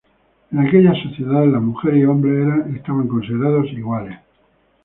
En aquellas sociedades las mujeres y hombres eran considerados iguales.